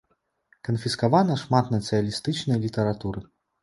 Канфіскавана шмат нацыяналістычнай літаратуры.